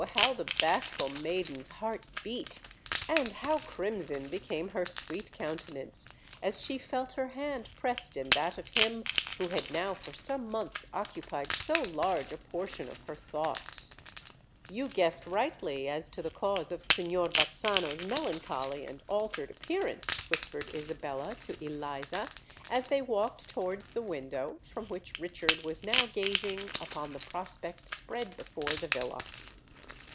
how the bashful maiden's heart beat, and how crimson became her sweet countenance, as she felt her hand pressed in that of him who had now for some months occupied so large a portion of her thoughts! "You guessed rightly as to the cause of Signor Bazzano's melancholy and altered appearance," whispered Isabella to Eliza, as they walked towards the window from which Richard was now gazing upon the prospect spread before the villa.